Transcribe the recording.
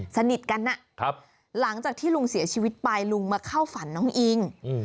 สนิทกันหลังจากที่ลุงเสียชีวิตไปลุงมาเข้าฝันน้องอิง